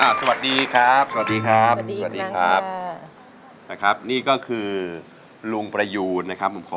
เชิญครับลุงประยูน